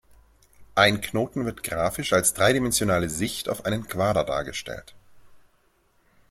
Ein Knoten wird graphisch als dreidimensionale Sicht auf einen Quader dargestellt.